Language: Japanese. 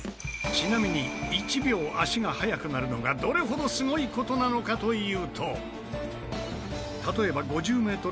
ちなみに１秒足が速くなるのがどれほどすごい事なのかというと。